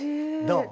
どう？